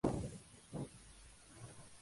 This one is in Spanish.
Contrajo matrimonio con Lavinia Cox Solari.